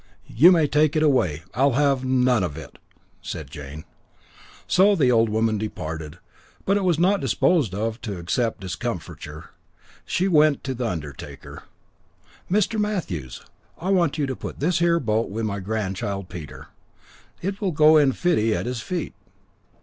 "You may take it away; I'll have none of it," said Jane. So the old woman departed, but was not disposed to accept discomfiture. She went to the undertaker. "Mr. Matthews, I want you to put this here boat in wi' my gran'child Peter. It will go in fitty at his feet."